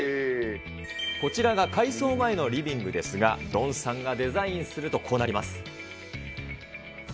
こちらが改装前のリビングですが、ドンさんがデザインすると、こうなります。